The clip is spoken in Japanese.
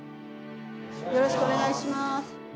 よろしくお願いします。